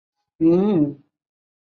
另一头有人露出一样的笑容